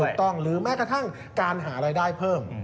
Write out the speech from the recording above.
หรือแม้กระทั่งการหารายได้เพิ่ม